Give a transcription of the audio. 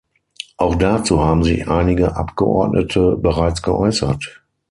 Auch dazu haben sich einige Abgeordnete bereits geäußert.